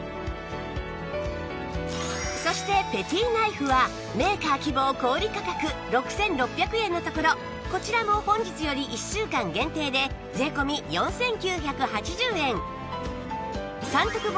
そしてペティナイフはメーカー希望小売価格６６００円のところこちらも本日より１週間限定で税込４９８０円